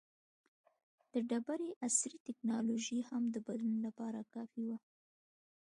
د ډبرې عصر ټکنالوژي هم د بدلون لپاره کافي وه.